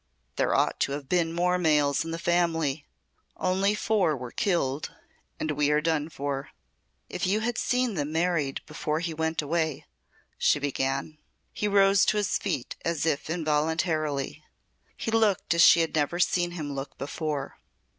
There ought to have been more males in the family. Only four were killed and we are done for." "If you had seen them married before he went away " she began. He rose to his feet as if involuntarily. He looked as she had never seen him look before.